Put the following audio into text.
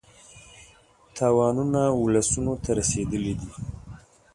تاوانونه اولسونو ته رسېدلي دي.